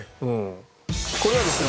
これはですね